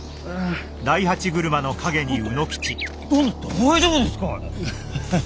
大丈夫ですかい？